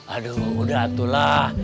aduh udah itulah